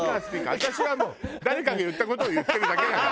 私はもう誰かが言った事を言ってるだけだから。